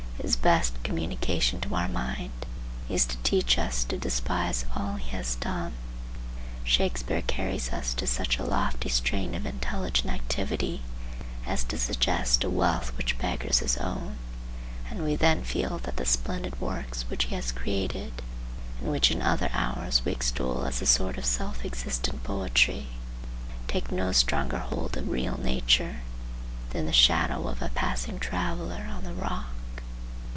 His best communication to our mind is to teach us to despise all he has done. Shakspeare carries us to such a lofty strain of intelligent activity as to suggest a wealth which beggars his own; and we then feel that the splendid works which he has created, and which in other hours we extol as a sort of self existent poetry, take no stronger hold of real nature than the shadow of a passing traveller on the rock.